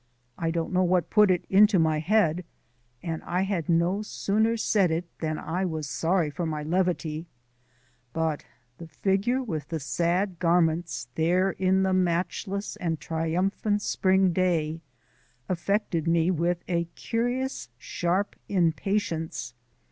I don't know what put it into my head, and I had no sooner said it than I was sorry for my levity, but the figure with the sad garments there in the matchless and triumphant spring day affected me with a curious, sharp impatience.